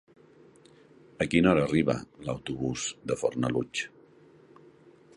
A quina hora arriba l'autobús de Fornalutx?